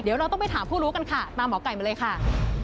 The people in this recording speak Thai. เดี๋ยวเราต้องไปถามผู้รู้กันค่ะตามหมอไก่มาเลยค่ะ